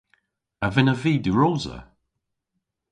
A vynnav vy diwrosa?